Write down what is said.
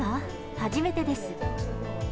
初めてです。